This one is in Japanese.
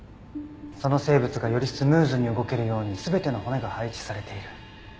その生物がよりスムーズに動けるように全ての骨が配置されている。